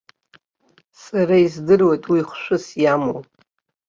Сара издыруеит уи хәшәыс иамоу.